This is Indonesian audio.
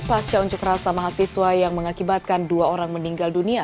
pasca unjuk rasa mahasiswa yang mengakibatkan dua orang meninggal dunia